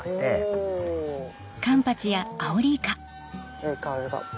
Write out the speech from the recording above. いい香りが。